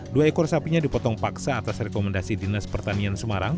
dua ekor sapinya dipotong paksa atas rekomendasi dinas pertanian semarang